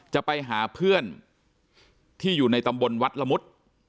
จะไปหาเพื่อนที่อยู่ในตำบลวัดละมุด